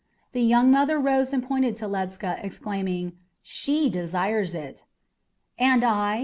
The young mother rose and pointed to Ledscha, exclaiming, "She desires it." "And I?"